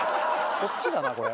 こっちだなこれ。